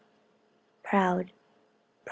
32. Proud, Prov.